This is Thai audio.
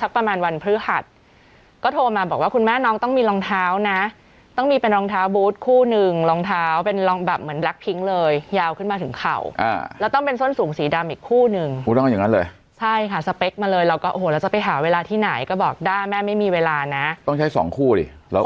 ซักประมาณวันพฤหัสก็โทรมาบอกว่าคุณแม่น้องต้องมีรองเท้านะต้องมีเป็นรองเท้าบูธคู่หนึ่งรองเท้าเป็นรองแบบเหมือนลักพิงเลยยาวขึ้นมาถึงเข่าอ่าแล้วต้องเป็นส้นสูงสีดำอีกคู่หนึ่งต้องเอาอย่างงั้นเลยใช่ค่ะสเปคมาเลยเราก็โอ้โหแล้วจะไปหาเวลาที่ไหนก็บอกด้าแม่ไม่มีเวลานะต้องใช้สองคู่ดิแล้